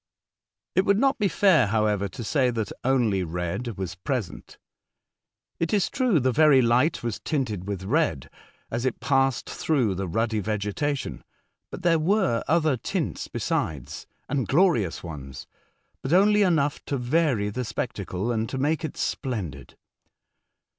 It would not be fair, however, to say that only red was present. It is true, the very light was tinted with red as it passed through the ruddy vegetation ; but there were other tints besides, and glorious ones, but only enough to vary the spectacle and to make it splendid.